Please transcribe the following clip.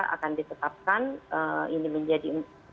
akan disetapkan ini menjadi